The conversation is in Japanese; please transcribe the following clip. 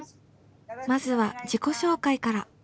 まずは自己紹介から。